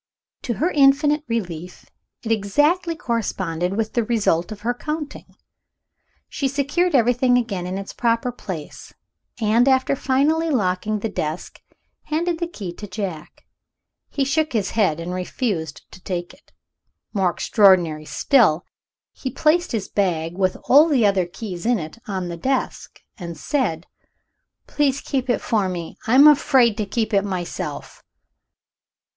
To her infinite relief, it exactly corresponded with the result of her counting. She secured everything again in its proper place; and, after finally locking the desk, handed the key to Jack. He shook his head, and refused to take it. More extraordinary still, he placed his bag, with all the other keys in it, on the desk, and said, "Please keep it for me; I'm afraid to keep it myself."